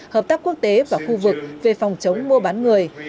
hợp tác quốc tế và khu vực về phòng chống mua bán người